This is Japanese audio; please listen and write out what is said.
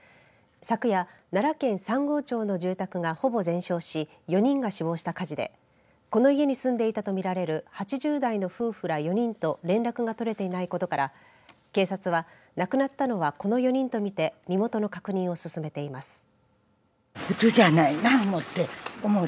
昨夜、奈良県三郷町の住宅がほぼ全焼し４人が死亡した火事でこの家に住んでいたとみられる８０代の夫婦ら４人と連絡が取れていないことから警察は亡くなったのはこの４人とみて身元の確認を進めています。